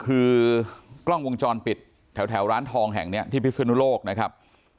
คือกล้องวงจรปิดแถวร้านทองแห่งนี้ที่พิศนุโลกนะครับ